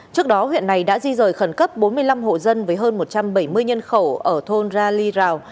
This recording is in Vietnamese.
trước đó huyện này đã di rời khẩn cấp bốn mươi năm hộ dân với hơn một trăm bảy mươi nhân khẩu ở thôn ra ly rào